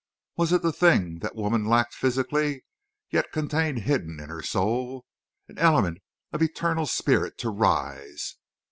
Was it the thing that woman lacked physically, yet contained hidden in her soul? An element of eternal spirit to rise!